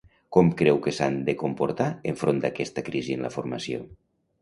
Com creu que s'han de comportar enfront d'aquesta crisi en la formació?